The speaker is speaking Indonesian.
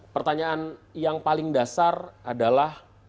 pertanyaan yang paling dasar adalah